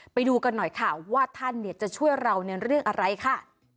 ไปดูกันหน่อยค่ะว่าท่านจะช่วยเราในเรื่องอะไรค่ะ